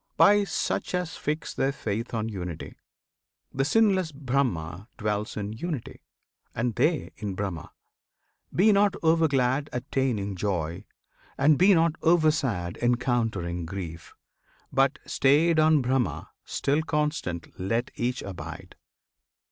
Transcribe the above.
By such as fix their faith on Unity. The sinless Brahma dwells in Unity, And they in Brahma. Be not over glad Attaining joy, and be not over sad Encountering grief, but, stayed on Brahma, still Constant let each abide!